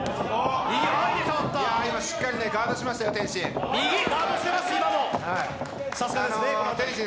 今、しっかりガードしましたよ、天心。